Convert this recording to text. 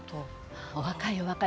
お若いお若い。